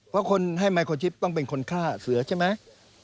เพราะคนให้ไมโครชิปต้องเป็นคนฆ่าเสือใช่ไหม